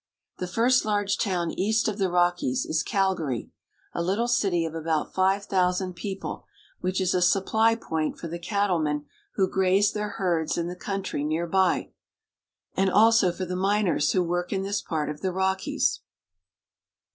The first large town east of the Rockies is Calgary, a Uttle city of about five thousand people, which is a supply point for the cattlemen who graze their herds in the coun try near by, and also for the miners who work in this part of the Rockies.